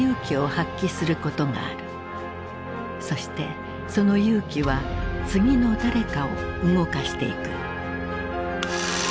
そしてその勇気は次の誰かを動かしていく。